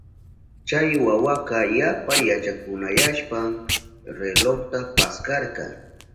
Chay wawaka yapa yachakunayashpan relojta paskarka.